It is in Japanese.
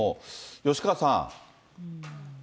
吉川さん。